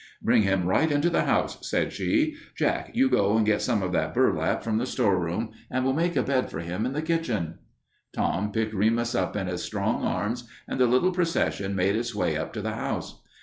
"Bring him right into the house," said she. "Jack, you go and get some of that burlap from the storeroom, and we'll make a bed for him in the kitchen." Tom picked Remus up in his strong arms, and the little procession made its way up to the house.